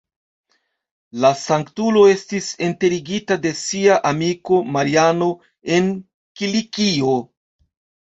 La sanktulo estis enterigita de sia amiko, Mariano, en Kilikio.